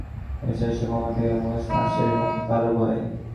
কোহলির ম্যাচ শেষ করে আসার অবিশ্বাস্য ক্ষমতাকে মাশরাফির মতো তাঁরও ভয়।